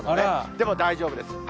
でも大丈夫です。